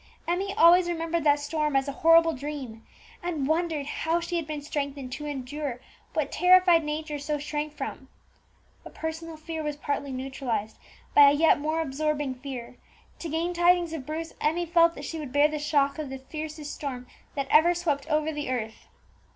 Emmie always remembered that storm as a horrible dream, and wondered how she had been strengthened to endure what terrified nature so shrank from. But personal fear was partly neutralized by a yet more absorbing fear; to gain tidings of Bruce, Emmie felt that she would bear the shock of the fiercest storm that ever swept over the earth.